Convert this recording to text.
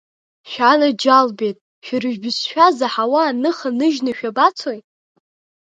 Шәанаџьалбеит, шәара шәбызшәа заҳауа аныха ныжьны шәабацои?